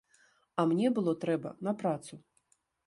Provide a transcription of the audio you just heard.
А мне было трэба на працу.